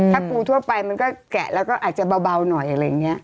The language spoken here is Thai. ถ้าปูทั่วไปมันก็แกะแล้วก็อาจจะเบาหน่อยอะไรอย่างนี้